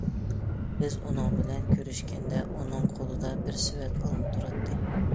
بىز ئۇنىڭ بىلەن كۆرۈشكەندە ئۇنىڭ قولىدا بىر سېۋەت ئالما تۇراتتى.